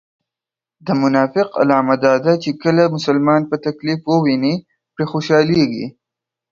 د منافق علامه دا ده چې کله مسلمان په تکليف و ويني پرې خوشحاليږي